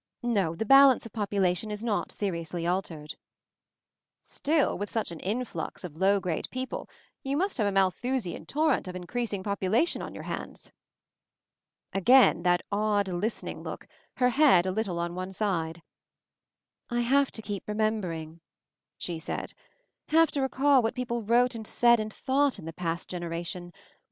No, the bal ance of population is not seriously altered/' "Still, with such an influx of low grade people you must have a Malthusian torrent of increasing population on your hands." Again that odd listening look, her head a little on one side. I have to keep remembering," she said. Have to recall what people wrote and said and thought in the past generation.